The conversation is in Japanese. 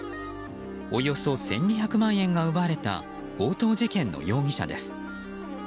およそ１２００万円が奪われた強盗事件の容疑者です。